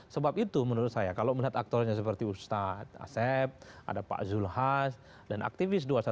sebab itu menurut saya kalau melihat aktornya seperti ustadz asep ada pak zulhas dan aktivis dua ratus dua belas